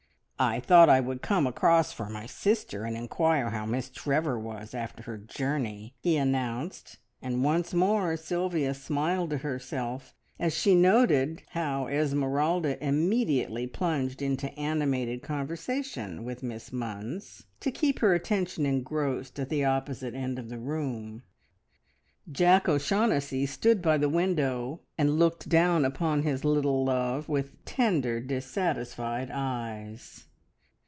"I thought I would come across for my sister, and inquire how Miss Trevor was after her journey," he announced; and once more Sylvia smiled to herself as she noted how Esmeralda immediately plunged into animated conversation with Miss Munns, to keep her attention engrossed at the opposite end of the room. Jack O'Shaughnessy stood by the window, and looked down upon his little love with tender, dissatisfied eyes.